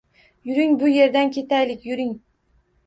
Yuring bu yerdan ketaylik yuring!..